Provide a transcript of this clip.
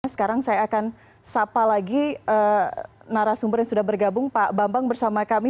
sekarang saya akan sapa lagi narasumber yang sudah bergabung pak bambang bersama kami